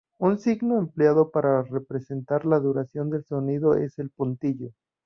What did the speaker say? Un signo empleado para representar la duración del sonido es el puntillo.